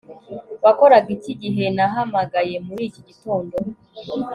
Wakoraga iki igihe nahamagaye muri iki gitondo